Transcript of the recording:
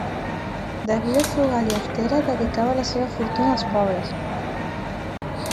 De vida frugal i austera, dedicava la seva fortuna als pobres.